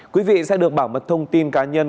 quý vị sẽ được bảo mật thông tin cá nhân